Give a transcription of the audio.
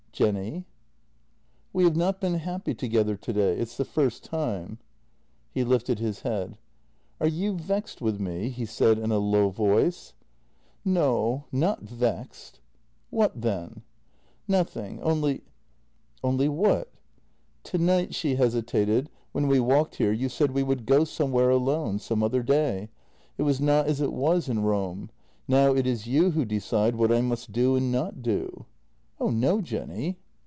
"Jenny?" "We have not been happy together today — it's the first time." He lifted his head: " Are you vexed with me? " he said in a low voice. "No, not vexed." "What, then?" "Nothing — only. ..."" Only what? " "Tonight" — she hesitated — "when we walked here, you said we would go somewhere alone — some other day. It was not as it was in Rome; now it is you who decide what I must do and not do." " Oh no, Jenny."